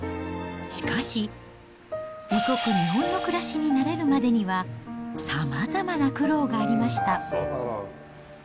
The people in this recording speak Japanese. しかし、異国、日本の暮らしに慣れるまでにはさまざまな苦労がありました。